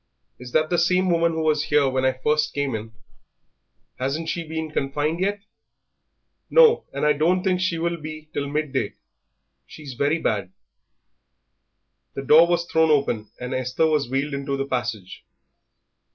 "Is that the same woman who was here when I first came in? Hasn't she been confined yet?" "No, and I don't think she will be till midday; she's very bad." The door was thrown open, and Esther was wheeled into the passage.